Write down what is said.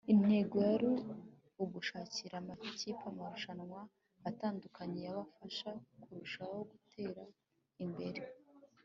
Intego yari ugushakira amakipe amarushanwa atandukanye yabafasha kurushaho gutera imbere